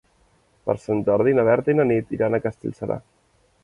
Per Sant Jordi na Berta i na Nit iran a Castellserà.